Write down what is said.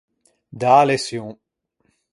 Dâ leçion.